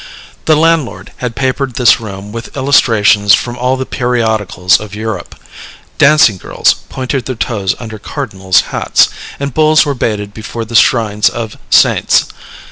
The landlord had papered this room with illustrations from all the periodicals of Europe: dancing girls pointed their toes under cardinals' hats, and bulls were baited before the shrines of saints.